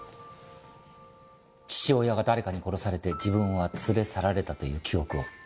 父親が誰かに殺されて自分は連れ去られたという記憶を。